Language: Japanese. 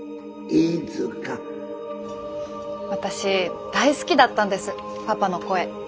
私大好きだったんですパパの声。